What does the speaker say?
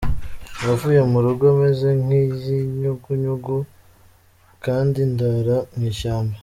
Navuye mu rugo meze nk’ikinyugunyugu, kandi ndara mu ishyamba.